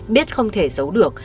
biết không thể giấu được